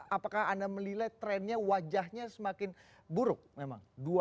apakah anda melihat trennya wajahnya semakin buruk memang